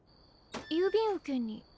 郵便受けに。